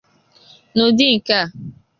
N’ụdị nke a